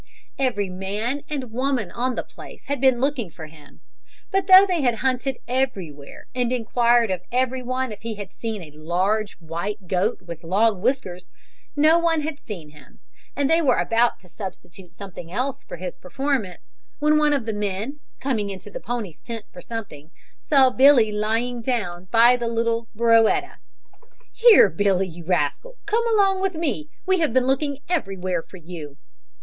Every man and woman on the place had been looking for him, but though they had hunted everywhere and inquired of every one if he had seen a large, white goat with long whiskers, no one had seen him and they were about to substitute something else for his performance when one of the men, coming into the ponies' tent for something, saw Billy lying down by the little Burroetta. "Here Billy, you rascal, come along with me. We have been looking everywhere for you."